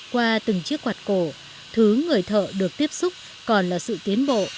qua từng chiếc quạt cổ thứ người thợ được tiếp xúc còn là sự tiến bộ